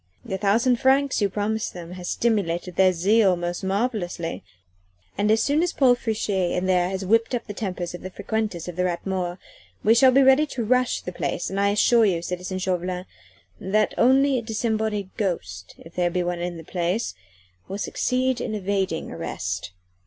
The thousand francs you promised them has stimulated their zeal most marvellously, and as soon as Paul Friche in there has whipped up the tempers of the frequenters of the Rat Mort, we shall be ready to rush the place and I assure you, citizen Chauvelin, that only a disembodied ghost if there be one in the place will succeed in evading arrest."